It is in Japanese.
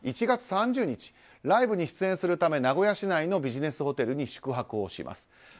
１月３０日ライブに出演するため名古屋市内のビジネスホテルに宿泊をします。